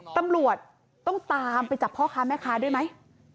ตำรวจต้องตามไปจับพ่อค้าแม่ค้าด้วยไหม